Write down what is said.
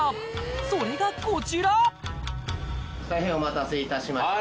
それがこちら大変お待たせいたしました